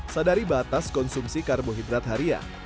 sadari batas konsumsi karbohidrat harian